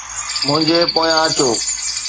منهنجي پويان اچو